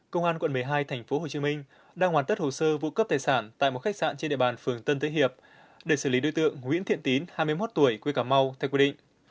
công an quận một mươi hai tp hcm đang hoàn tất hồ sơ vụ cướp tài sản tại một khách sạn trên địa bàn phường tân thế hiệp để xử lý đối tượng nguyễn thiện tín hai mươi một tuổi quê cà mau theo quy định